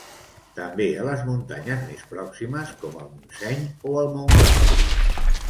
També a les muntanyes més pròximes, com el Montseny o el Montcau.